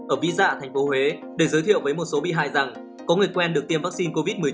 ở vĩ dạ tp huế để giới thiệu với một số bị hại rằng có người quen được tiêm vaccine covid một mươi chín